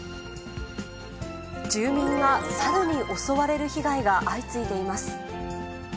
住民が猿に襲われる被害が相次いでいます。